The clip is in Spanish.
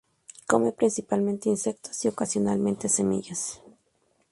Comen principalmente insectos y ocasionalmente semillas.